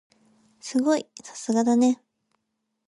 すごい！さすがだね。